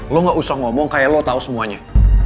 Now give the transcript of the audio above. lo gak usah ngomong kayak lo tau semuanya